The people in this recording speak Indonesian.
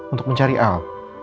untuk mencari al